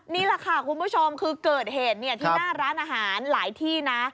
นี่แหละค่ะคุณผู้ชมคือเกิดเหตุที่หน้าร้านอาหารหลายที่นะ